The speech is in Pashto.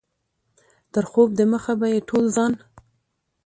تر خوب دمخه به یې ټول ځان.